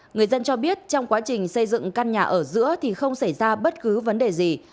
người dân cho biết trong quá trình xây dựng căn nhà ở giữa thì không xảy ra bất cứ vấn đề gì